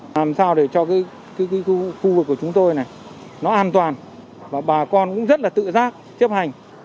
làm sao để cho cái khu vực của chúng tôi này nó an toàn và bà con cũng rất là tự giác chấp hành